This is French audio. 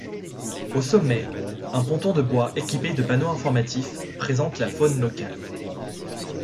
Au sommet, un ponton de bois équipé de panneaux informatifs présente la faune locale.